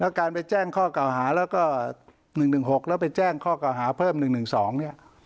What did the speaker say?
การไปแจ้งข้อเก่าหาแล้วก็๑๑๖แล้วไปแจ้งข้อเก่าหาเพิ่ม๑๑๒เนี่ย